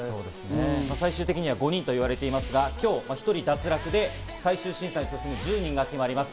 最終的には５人といわれていますが、今日１人脱落で、最終審査に進む１０人が決まります。